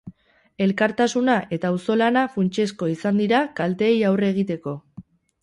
Elkartasuna eta auzolana funtsezko izan dira kalteei aurre egiteko.